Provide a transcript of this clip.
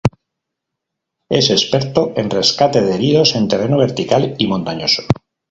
Es experto en rescate de heridos en terreno vertical y montañoso.